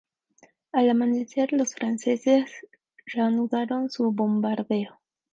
Al amanecer los franceses reanudaron su bombardeo.